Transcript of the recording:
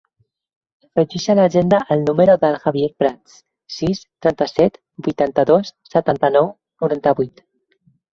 Afegeix a l'agenda el número del Javier Prats: sis, trenta-set, vuitanta-dos, setanta-nou, noranta-vuit.